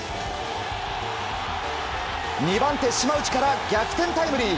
２番手、島内から逆転タイムリー！